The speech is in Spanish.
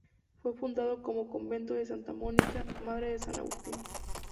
Fue fundado como Convento de Santa Mónica, madre de san Agustín.